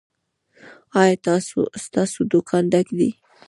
ایا ستاسو دکان ډک دی؟